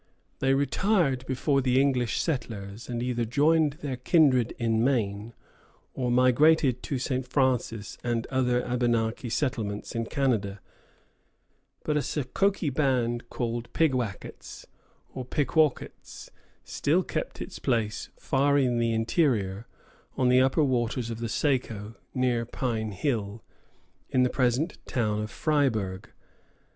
They retired before the English settlers, and either joined their kindred in Maine, or migrated to St. Francis and other Abenaki settlements in Canada; but a Sokoki band called Pigwackets, or Pequawkets, still kept its place far in the interior, on the upper waters of the Saco, near Pine Hill, in the present town of Fryeburg.